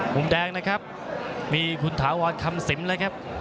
มุมแดงนะครับมีคุณถาวรคำสิมเลยครับ